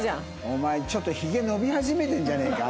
お前ちょっとひげ伸び始めてんじゃねえか？